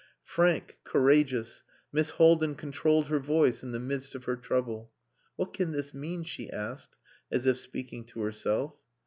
Frank, courageous, Miss Haldin controlled her voice in the midst of her trouble. "What can this mean?" she asked, as if speaking to herself.